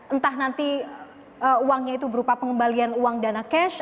entah nanti uangnya itu berupa pengembalian uang dana cash